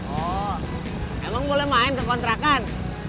oh emang boleh main ke kontrakan